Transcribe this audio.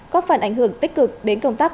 có phần ảnh hưởng tích cực đến công tác